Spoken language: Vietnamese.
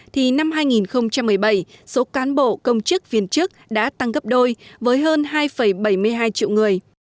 thì năm hai nghìn một mươi bảy số cán bộ công chức viên chức đã tăng gấp đôi với hơn hai bảy mươi hai triệu người